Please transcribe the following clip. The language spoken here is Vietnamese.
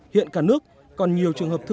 hiện cả nước còn nhiều trường hợp thức